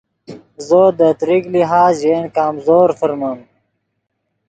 زو دے تریک لحاظ ژے ین کمزور فرمیم